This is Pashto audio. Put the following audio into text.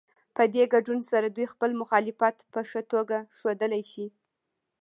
په دې ګډون سره دوی خپل مخالفت په ښه توګه ښودلی شي.